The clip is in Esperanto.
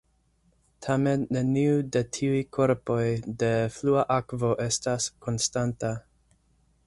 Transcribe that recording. Tamen neniu de tiuj korpoj de flua akvo estas konstanta.